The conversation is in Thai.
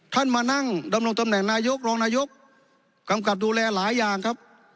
มานั่งดำรงตำแหน่งนายกรองนายกกำกับดูแลหลายอย่างครับ